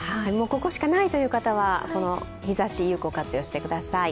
ここしかないという方は日ざしを有効活用してください。